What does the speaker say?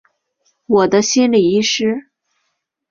我的心理医师